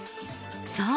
そう！